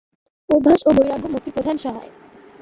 অভ্যাস ও বৈরাগ্য মুক্তির প্রধান সহায়।